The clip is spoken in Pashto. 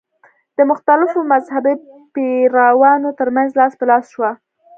د مختلفو مذهبي پیروانو تر منځ لاس په لاس شوه.